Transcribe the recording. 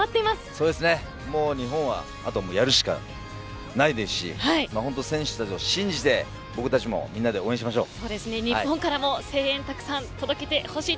そうですね、もう日本はあと、やるしかないですし本当、選手たちを信じて僕たちも皆で応援しましょう。